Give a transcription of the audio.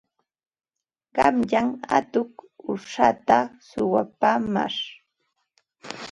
Qanyan atuq uushatam suwapaamash.